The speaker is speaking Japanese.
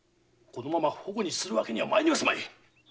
このまま反古にするわけにはまいりますまい！